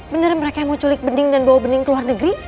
bener mereka yang mau culik bending dan bawa bening ke luar negeri